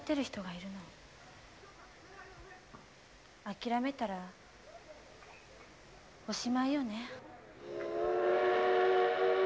諦めたらおしまいよね。